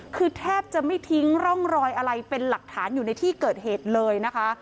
คือแทบจะไม่ทิ้งร่องรอยอะไรเป็นหลักฐานอยู่ในที่เกิดเหตุเลยนะคะ